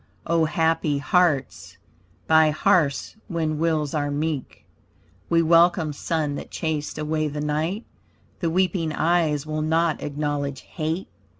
O happy hearts, by hearths when wills are meek! We welcome sun that chased away the night. The weeping eyes will not acknowledge hate.